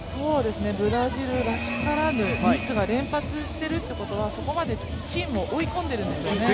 ブラジルらしからぬミスが連発しているということはそこまでチームを追い込んでるんですよね。